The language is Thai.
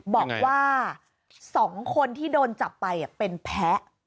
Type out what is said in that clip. บอกว่า๒คนที่โดนจับไปเป็นแพ้